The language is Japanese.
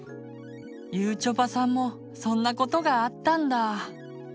ゆちょぱさんもそんなことがあったんだ。